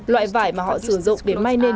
loại vải mà họ sử dụng để may nên